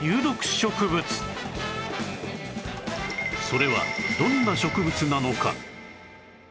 それはどんな植物なのか？